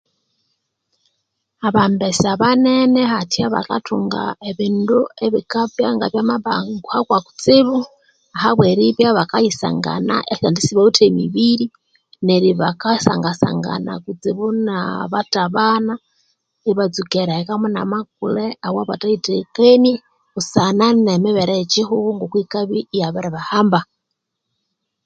Abambesa abanene hathya bakathunga ebindu ebikabya nga byamabanguha Kwa kutsibu ahabwe ribya bakayisangana abandi sibawithe mibiri neryo bakasangasanga na kutsibu na bathabana ibatsuka erihekamu namakule awabatheyitheghekenie busana nemibere ye kyihughu ngokuyikabya iyabiribahamba